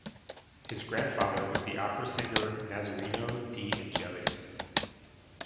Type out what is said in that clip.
His grandfather was the opera singer Nazzareno De Angelis.